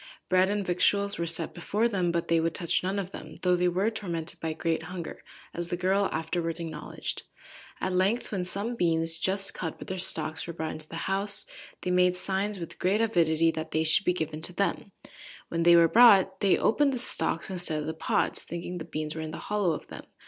Bread and victuals were set before them, but they would touch none of them, though they were tormented by great hunger, as the girl afterwards acknowledged. At length when some beans, just cut, with their stalks, were brought into the house, they made signs, with great avidity, that they should be given to them. When they were brought they opened the stalks instead of the pods, thinking the beans were in the hollow of them.